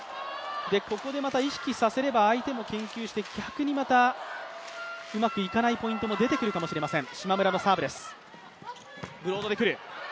ここで意識させれば相手も研究して逆にまたうまくいかないポイントも出てくるかもしれません。